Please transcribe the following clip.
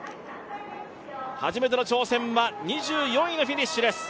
初めての挑戦は２４位でフィニッシュです。